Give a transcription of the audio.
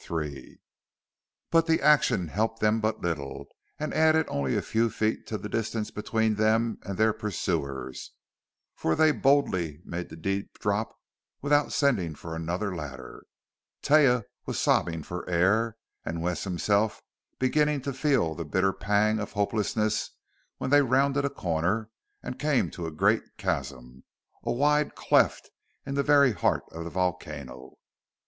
But the action helped them but little, and added only a few feet to the distance between them and their pursuers, for they boldly made the deep drop without sending for another ladder. Taia was sobbing for air, and Wes himself beginning to feel the bitter pang of hopelessness when they rounded a corner and came to a great chasm a wide cleft in the very heart of the volcano.